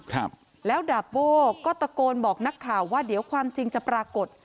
ครับแล้วดาบโบ้ก็ตะโกนบอกนักข่าวว่าเดี๋ยวความจริงจะปรากฏ